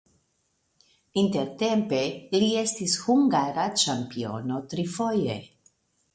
Intertempe li estis hungara ĉampiono trifoje.